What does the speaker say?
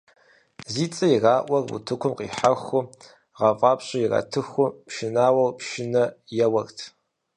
Зи цӀэ ираӀуэр утыкум къихьэху, гъэфӀапщӀэр иратыху, пшынауэхэр пшынэ еуэрт.